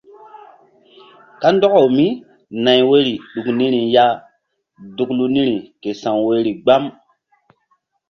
Kandɔkawmínay woyri ɗuk niri ya duklu niri ke sa̧w woyri gbam.